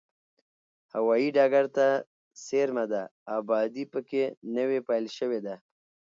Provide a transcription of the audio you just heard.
هوایي ډګر ته څېرمه ده، ابادي په کې نوې پیل شوې ده.